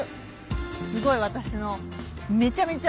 すごい私の。